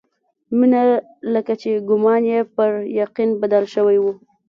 مينه لکه چې ګومان يې پر يقين بدل شوی و.